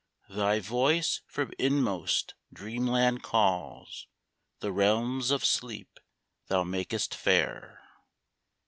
] Thy voice from inmost dreamland calls ; The realms of sleep thou makest fair.